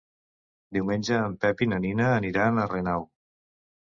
Diumenge en Pep i na Nina aniran a Renau.